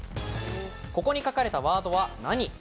「ここに書かれたワードは何？」。